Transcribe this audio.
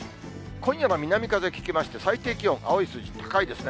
今夜は南風吹きまして、最低気温、青い数字、高いですね。